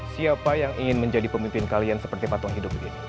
siapa yang ingin menjadi pemimpin kalian seperti patung hidup ini